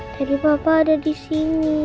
tadi papa ada disini